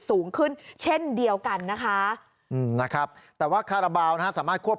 สูงขึ้นเช่นเดียวกันนะคะอืมนะครับแต่ว่าคาราบาลนะฮะสามารถควบ